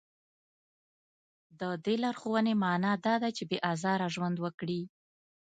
د دې لارښوونې معنا دا ده چې بې ازاره ژوند وکړي.